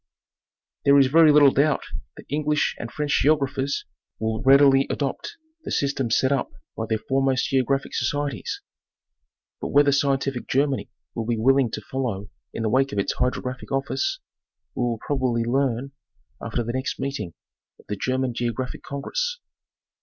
There is very little doubt that English and French geographers will readily adopt the systems set up by their foremost geographic societies; but whether scientific Germany will be willing to follow in the wake of its Hydrographic Office, we will probably learn after the next meeting of the German Geographic Congress.